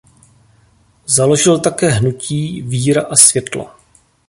Založil také hnutí Víra a Světlo.